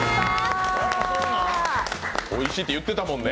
おいしいって言ってたもんね。